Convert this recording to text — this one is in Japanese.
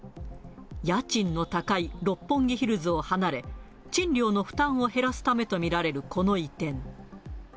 家賃の高い六本木ヒルズを離れ、賃料の負担を減らすためと見られるこの移転。